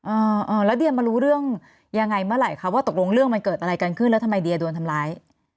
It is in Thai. อ่าอ่าแล้วเดียมารู้เรื่องยังไงเมื่อไหร่คะว่าตกลงเรื่องมันเกิดอะไรกันขึ้นแล้วทำไมเดียโดนทำร้าย